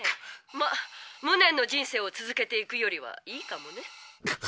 まあ無念の人生を続けていくよりはいいかもね。